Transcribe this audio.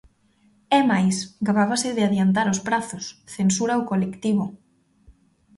É máis, gabábase de adiantar os prazos, censura o colectivo.